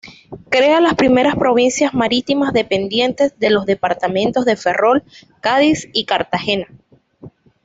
Crea las primeras provincias marítimas, dependientes de los departamentos de Ferrol, Cádiz y Cartagena.